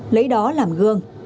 lấy đó làm gương